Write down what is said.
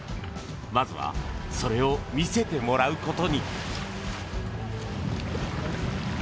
まずはそれを見せてもらうことに。